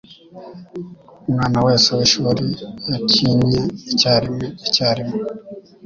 Umwana wese wishuri yakinnye icyarimwe icyarimwe.